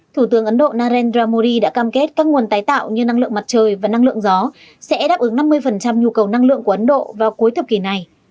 thủ tướng ấn độ narendra modi đã cam kết các nguồn tái tạo như năng lượng mặt trời và năng lượng gió sẽ đáp ứng năm mươi nhu cầu năng lượng của ấn độ vào cuối thập kỷ này